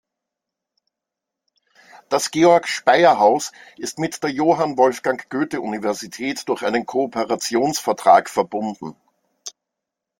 Das Georg-Speyer-Haus ist mit der Johann-Wolfgang-Goethe-Universität durch einen Kooperationsvertrag verbunden.